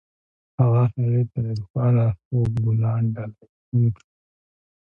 هغه هغې ته د روښانه خوب ګلان ډالۍ هم کړل.